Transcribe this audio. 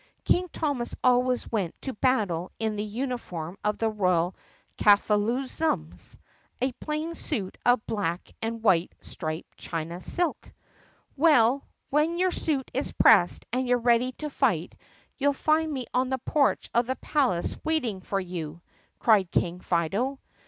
(King Thomas always went to battle in the uni form of the Royal Kafoozalums — a plain suit of black and white striped China silk.) "Well, when your suit is pressed and you 're ready to fight you'll find me on the porch of the palace waiting for you!" cried King Fido.